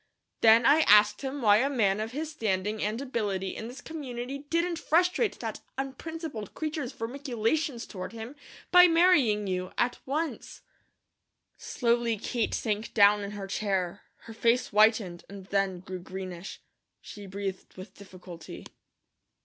Then I asked him why a man of his standing and ability in this community didn't frustrate that unprincipled creature's vermiculations toward him, by marrying you, at once." Slowly Kate sank down in her chair. Her face whitened and then grew greenish. She breathed with difficulty.